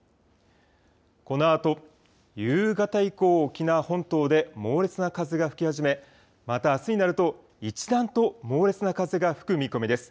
このあと夕方以降、沖縄本島で猛烈な風が吹き始めまたあすになると一段と猛烈な風が吹く見込みです。